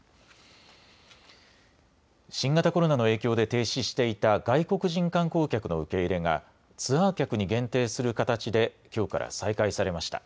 新型コロナの影響で停止していた外国人観光客の受け入れがツアー客に限定する形できょうから再開されました。